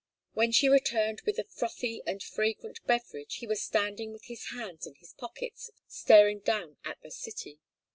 When she returned with the frothy and fragrant beverage he was standing with his hands in his pockets staring down at the city.